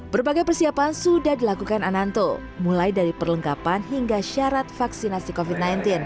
berbagai persiapan sudah dilakukan ananto mulai dari perlengkapan hingga syarat vaksinasi covid sembilan belas